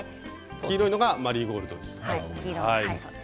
黄色いのがマリーゴールドです。